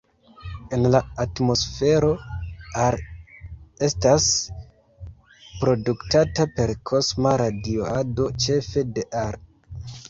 En la atmosfero, Ar estas produktata per kosma radiado, ĉefe de Ar.